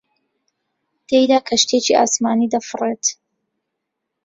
تێیدا کەشتییەکی ئاسمانی دەفڕێت